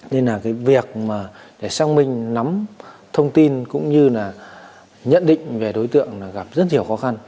nên là việc xác minh nắm thông tin cũng như là nhận định về đối tượng gặp rất nhiều khó khăn